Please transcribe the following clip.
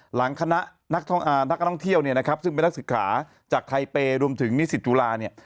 หลังคณะนักท่องเที่ยวเนี่ยนะครับซึ่งเป็นนักศึกษาจากไทเปย์รวมถึงนิสิตจุฬาเนี่ย